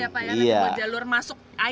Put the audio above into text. terowongan ya pak jalur masuk air ya pak ya